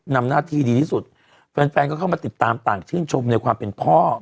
นำหน้าที่ดีที่สุดแฟนก็เข้ามาติดตามต่างชื่นชมในความเป็นพ่อ